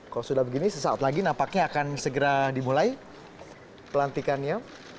kalau sudah begini sesaat lagi nampaknya akan segera dimulai pelantikannya